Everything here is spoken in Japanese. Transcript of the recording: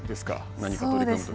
何か取り組むとき。